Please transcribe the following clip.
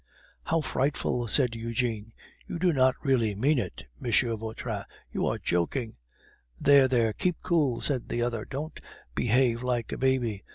"How frightful!" said Eugene. "You do not really mean it? M. Vautrin, you are joking!" "There! there! Keep cool!" said the other. "Don't behave like a baby.